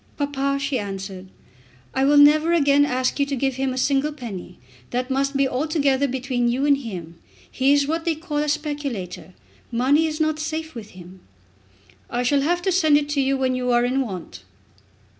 "Papa," she answered, "I will never again ask you to give him a single penny. That must be altogether between you and him. He is what they call a speculator. Money is not safe with him." "I shall have to send it you when you are in want."